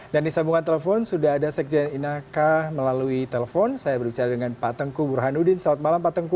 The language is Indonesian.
dan di sambungan telepon sudah ada sekjen inaka melalui telepon saya berbicara dengan pak tengku burhanuddin selamat malam pak tengku